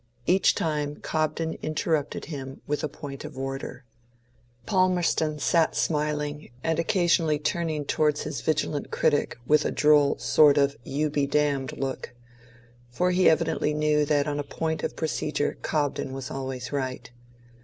Each time Cobden inter rupted him with a point of order. Palmerston sat smiling, and occasionally turning toward his vigilant critic with a droll sort of " you be damned " look. For he evidently knew that on a point of procedure Cobden was always right.